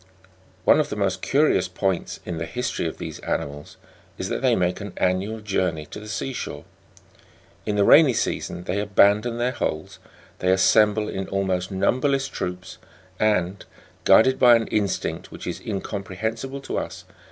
6. One of the most curious points in the history of these ani mals is that they make an annual journey to the sea shore. In the rainy season they abandon their holes ; they assemble in almost numberless troops, and, guided by an instinct which is incomprehensible to us.